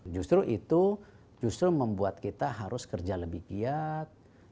justru itu justru membuat kita harus kerja lebih giat